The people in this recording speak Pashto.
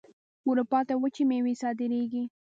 اروپا ته وچې میوې صادریږي.